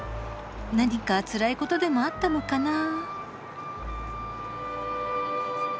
何かつらいことでもあったのかなぁ？